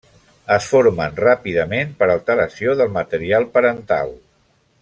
Es formen ràpidament per alteració del material parental.